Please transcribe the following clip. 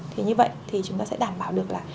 thì như vậy thì chúng ta sẽ đảm bảo được là